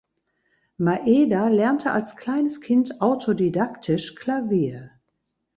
Maeda lernte als kleines Kind autodidaktisch Klavier.